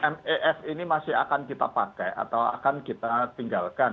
mef ini masih akan kita pakai atau akan kita tinggalkan